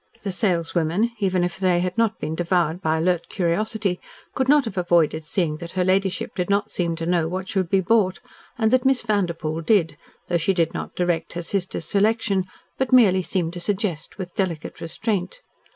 The saleswomen, even if they had not been devoured by alert curiosity, could not have avoided seeing that her ladyship did not seem to know what should be bought, and that Miss Vanderpoel did, though she did not direct her sister's selection, but merely seemed to suggest with delicate restraint.